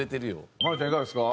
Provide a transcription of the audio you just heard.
マルちゃんいかがですか？